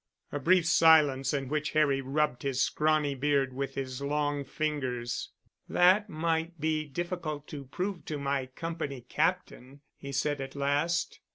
A brief silence in which Harry rubbed his scrawny beard with his long fingers. "That might be difficult to prove to my Company captain," he said at last.